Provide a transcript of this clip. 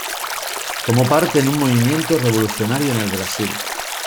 Tomó parte en un movimiento revolucionario en el Brasil.